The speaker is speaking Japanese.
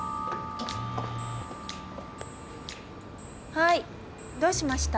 はいどうしました？